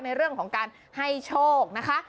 ในเรื่องของการให้โชคนะคะ